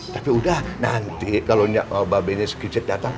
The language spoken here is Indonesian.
tapi udah nanti kalau nyokong mbak benya sekicik datang